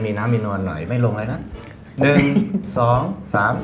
มีน้ำมีนอนหน่อยไม่ลงอะไรนะ